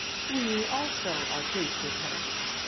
"We, also, are pleased with her.